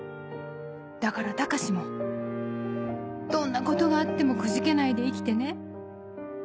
「だから高志もどんなことがあってもくじけないで生きてね」。